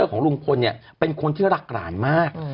ก็ต้องลูกเขยถูกต้องของยาย